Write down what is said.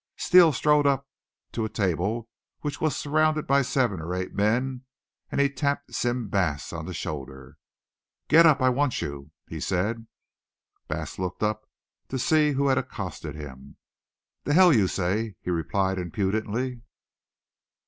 Steele strode up to a table which was surrounded by seven or eight men and he tapped Sim Bass on the shoulder. "Get up, I want you," he said. Bass looked up only to see who had accosted him. "The hell you say!" he replied impudently.